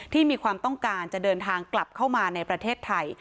มีความต้องการจะเดินทางกลับเข้ามาในประเทศไทย